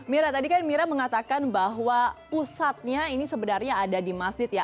mira tadi kan mira mengatakan bahwa pusatnya ini sebenarnya ada di masjid ya